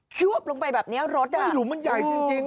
ชวบลงไปแบบนี้รถอ่ะโอ้โหไม่รู้มันใหญ่จริง